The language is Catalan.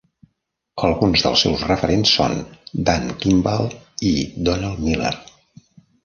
Alguns dels seus referents són Dan Kimball i Donald Miller.